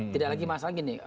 tidak lagi masalah gini